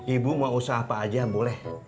ibu mau usaha apa aja boleh